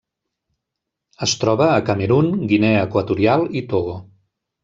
Es troba a Camerun, Guinea Equatorial i Togo.